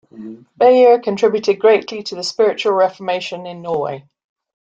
Beyer contributed greatly to the spiritual Reformation in Norway.